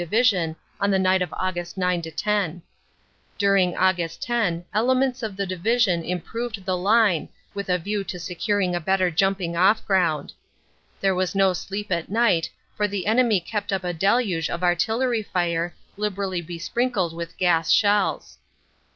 Division on the night of Aug. 9 10. During Aug. 10 elements of the Division improved the line with a view to securing a better jumping off ground. There was no sleep at night for the enemy kept up a deluge of artillery fire liberally besprinkled with gas shells.